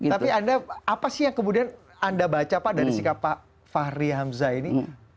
tapi anda apa sih yang kemudian anda baca pak dari sikap pak fahri hamzah ini